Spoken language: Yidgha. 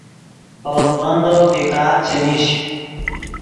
ہورغ بندو بیکار چے نیش